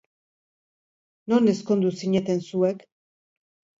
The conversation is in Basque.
Non ezkondu zineten zuek?